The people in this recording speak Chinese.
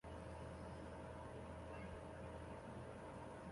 阿尔赞。